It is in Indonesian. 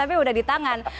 tapi sudah ditangan